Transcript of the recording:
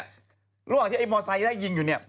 ระหว่างที่ไอ้มอไซค์ไล่ยิงอยู่เนี่ย